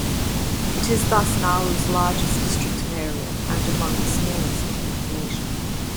It is thus Nauru's largest district in area, and among the smallest in population.